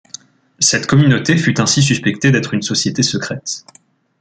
Cette communauté fut ainsi suspectée d’être une société secrète.